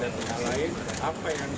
dan organisasinya seperti apa di keuangan